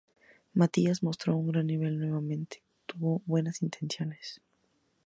Mathías mostró un gran nivel nuevamente, tuvo buenas intervenciones.